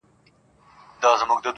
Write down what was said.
زه په تنهايي کي لاهم سور یمه.